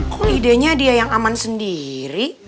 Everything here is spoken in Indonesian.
kok ide nya dia yang aman sendiri